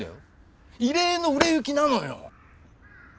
異例の売れ行きなのよ。